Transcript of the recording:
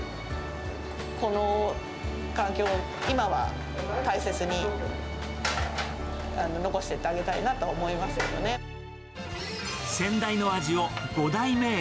この環境を今は大切に残していってあげたいなと思いますけど先代の味を５代目へ。